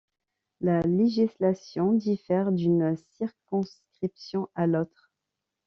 La législation diffère d'une circonscription à l'autre.